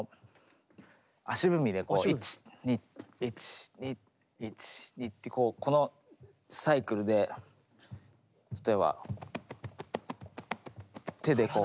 足踏みでこう１・２・１・２・１・２ってこのサイクルで例えば手でこう。